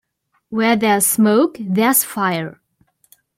Where there's smoke there's fire.